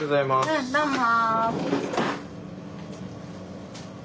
うんどうも。